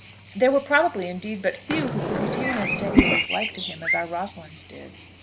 There were probably, indeed, but few who could retain as steady a dislike to him as our Rosalind did.